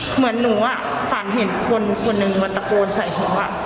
เหมือนหนูอ่ะฝันเห็นคนคนหนึ่งมันตะโกนใส่หัวอ่ะ